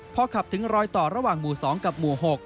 พอขับถึงรอยต่อระหว่างหมู่๒กับหมู่๖